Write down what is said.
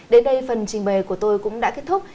đến đây phần trình bày của tôi cũng đã kết thúc